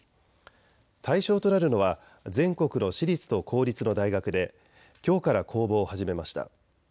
対象となるのは全国の私立と公立の大学できょうから公募を始めました。